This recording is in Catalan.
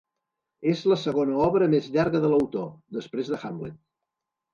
És la segona obra més llarga de l'autor, després de Hamlet.